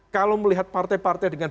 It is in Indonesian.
kalau melihat partai partai dengan